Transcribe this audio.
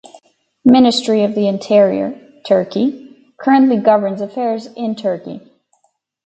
Ministry of the Interior (Turkey) currently governs affairs in Turkey.